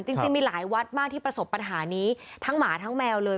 จริงมีหลายวัดมากที่ประสบปัญหานี้ทั้งหมาทั้งแมวเลย